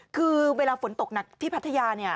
คือเวลาฝนตกหนักที่พัทยาเนี่ย